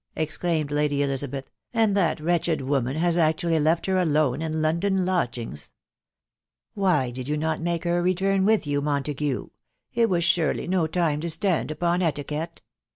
exclaimed Lady Elizabeth ;" and that wretched woman has actually left her alone in London lodgings ?.... Why did you not make her return with you, Montague ?.... It was surely no time to stand upon eti quette."